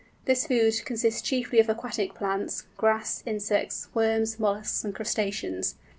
This food consists chiefly of aquatic plants, grass, insects, worms, molluscs, and crustaceans.